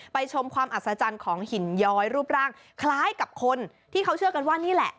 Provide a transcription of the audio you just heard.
ชมความอัศจรรย์ของหินย้อยรูปร่างคล้ายกับคนที่เขาเชื่อกันว่านี่แหละ